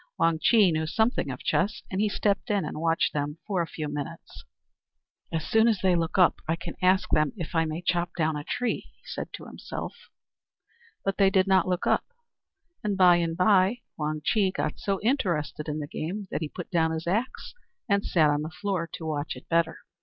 Wang Chih knew something of chess, and he stepped in and watched them for a few minutes. "As soon as they look up, I can ask them if I may chop down a tree," he said to himself. But they did not look up, and by and by Wang Chih got so interested in the game that he put down his axe and sat on the floor to watch it better.